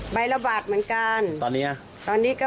๓๒ปีแล้วค่ะ